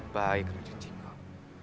baik raja jinggong